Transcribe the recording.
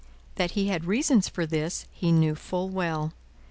That he had his reasons for this, he knew full well.